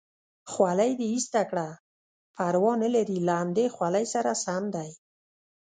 خولۍ دې ایسته کړه، پروا نه لري له همدې خولۍ سره سم دی.